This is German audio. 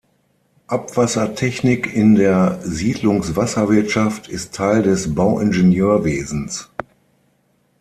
Abwassertechnik in der Siedlungswasserwirtschaft ist Teil des Bauingenieurwesens.